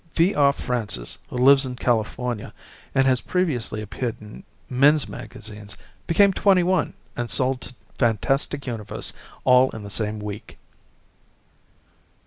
V. R. Francis, who lives in California and has previously appeared in men's magazines, became 21 and sold to FANTASTIC UNIVERSE all in the same week.